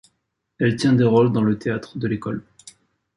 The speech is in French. Elle tient des rôles dans le théâtre de l'école.